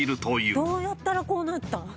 どうやったらこうなったの！？